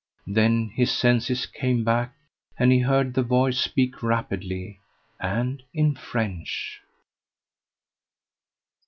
Then his senses came back, and he heard the voice speak rapidly, and in French.